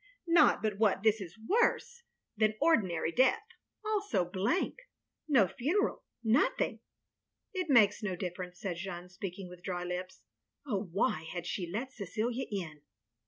" Not but what this is worse than OF GROSVENOR SQUARE 313 ordinary death — ^all so blank — no funeral nothing/' " It makes no difference, '* said Jeanne, speaking with dry lips. Oh, why had she let Cecilia in